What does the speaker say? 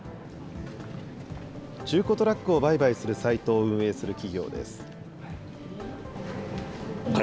中古トラックを売買するサイトを運営する企業です。